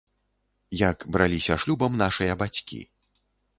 Як браліся шлюбам нашыя бацькі.